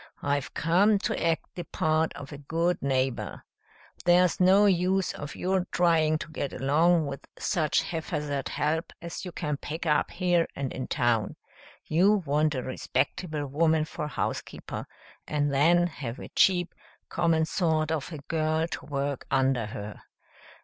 I've come to act the part of a good neighbor. There's no use of you're trying to get along with such haphazard help as you can pick up here and in town. You want a respectable woman for housekeeper, and then have a cheap, common sort of a girl to work under her.